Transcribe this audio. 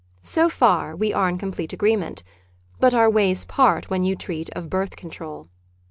So far we are in complete agreement, but our ways part when you treat of birth control.